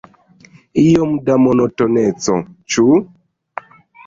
Iom da monotoneco, ĉu?